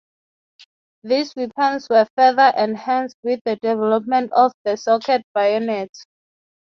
These weapons were further enhanced with the development of the socket-bayonet.